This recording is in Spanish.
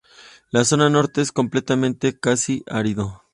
La zona norte es completamente casi árido.